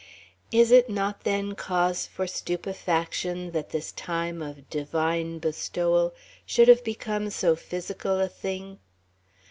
Is it not then cause for stupefaction that this time of "divine bestowal" should have become so physical a thing?